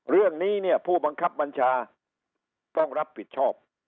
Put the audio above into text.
เรื่องนี้เนี่ยผู้บังคับบัญชาต้องรับผิดชอบ